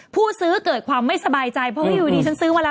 ผู้ซื้อเกิดความไม่สบายใจเพราะว่าอยู่ดีฉันซื้อมาแล้ว